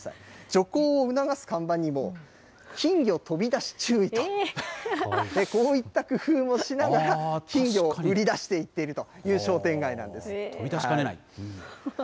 徐行を促す看板にも、金魚飛び出し注意と、こういった工夫もしながら、金魚を売り出していっているという商店街なん飛び出しかねない。